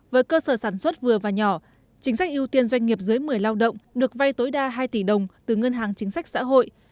với cơ sở sản xuất vừa và nhỏ chính sách ưu tiên doanh nghiệp dưới một mươi lao động được vay tối đa hai tỷ đồng từ ngân hàng chính sách xã hội